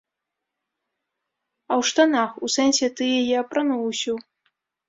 А ў штанах, у сэнсе, ты яе апрануў ўсю.